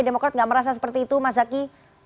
demokrat nggak merasa seperti itu mas zaky